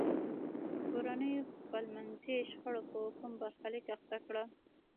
کورنیو خپلمنځي شخړو په کوم برخلیک اخته کړل.